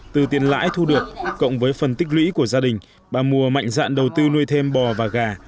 từ tiền lãi thu được cộng với phần tích lũy của gia đình bà mùa mạnh dạn đầu tư nuôi thêm bò và gà